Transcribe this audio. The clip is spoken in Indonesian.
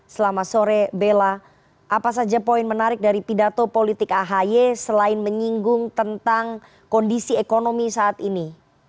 selama sore bella apa saja poin menarik dari pidato politik ahi selain menyinggung tentang kondisi ekonomi saat ini